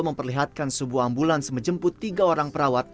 memperlihatkan sebuah ambulans menjemput tiga orang perawat